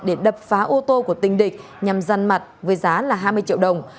để đập phá ô tô của tình địch nhằm gian mặt với giá là hai mươi triệu đồng